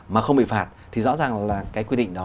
mà không bị phạt thì rõ ràng là cái quy định đó